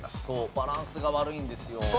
そうバランスが悪いんですよ。